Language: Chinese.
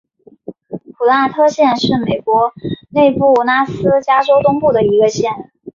普拉特县是美国内布拉斯加州东部的一个县。